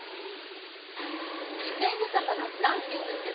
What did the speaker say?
自然豊かなグランピング施設。